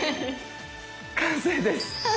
完成です！